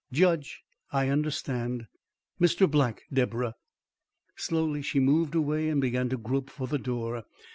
"Judge " "I understand. Mr. Black, Deborah." Slowly she moved away and began to grope for the door.